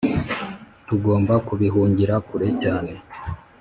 tugomba kubihungira kure cyane